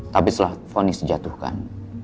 tapi setelah fonis dijatuhkan